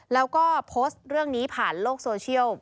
แล้วก็โพสต์เรื่องนี้ผ่านโลกโซเชียล